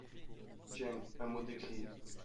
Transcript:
Tiens ! un mot d’écrit !